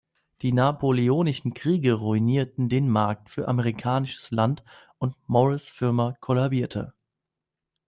Die Napoleonischen Kriege ruinierten den Markt für amerikanisches Land, und Morris' Firma kollabierte.